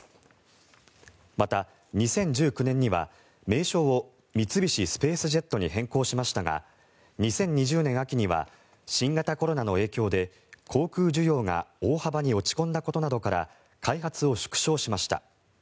また、２０１９年には名称を三菱スペースジェットに変更しましたが２０２０年秋には新型コロナの影響で航空需要が大幅に落ち込んだことなどから開発を縮小しました。